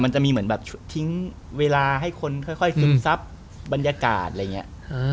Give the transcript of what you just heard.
มันจะมีเหมือนแบบทิ้งเวลาให้คนค่อยซึมซับบรรยากาศอะไรอย่างนี้